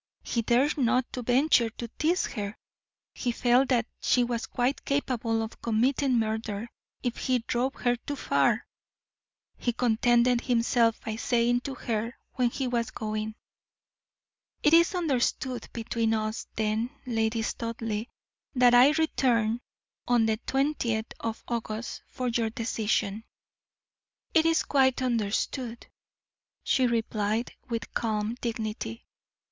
He dared not venture to tease her; he felt that she was quite capable of committing murder if he drove her too far; he contented himself by saying to her when he was going: "It is understood between us, then, Lady Studleigh, that I return on the twentieth of August for your decision." "It is quite understood," she replied, with calm dignity.